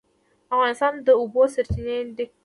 افغانستان له د اوبو سرچینې ډک دی.